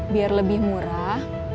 biar lebih murah